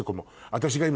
私が今。